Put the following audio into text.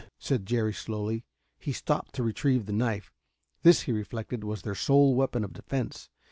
said Jerry slowly. He stopped to retrieve the knife. This, he reflected, was their sole weapon of defense.